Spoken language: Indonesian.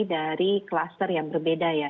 dari kluster yang berbeda ya